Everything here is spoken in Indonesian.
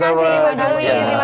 terima kasih banyak